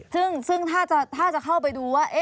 ซึ่งถ้าจะเข้าไปดูว่า